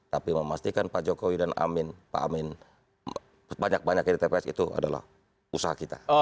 tapi memastikan pak jokowi dan amin pak amin banyak banyaknya di tps itu adalah usaha kita